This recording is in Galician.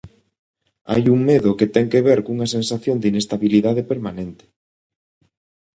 Hai un medo que ten que ver cunha sensación de inestabilidade permanente.